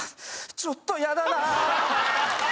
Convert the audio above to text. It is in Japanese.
ちょっと嫌だなあ